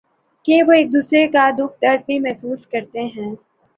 کہ وہ ایک دوسرے کا دکھ درد بھی محسوس کرتے ہیں ۔